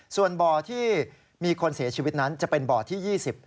ส่วนบ่อที่มีคนเสียชีวิตนั้นจะเป็นบ่อที่๒๐